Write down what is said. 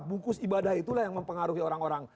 bungkus ibadah itulah yang mempengaruhi orang orang